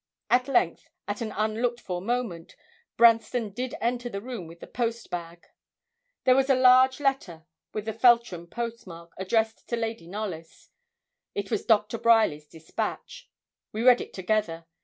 At length, at an unlooked for moment, Branston did enter the room with the post bag. There was a large letter, with the Feltram post mark, addressed to Lady Knollys it was Doctor Bryerly's despatch; we read it together.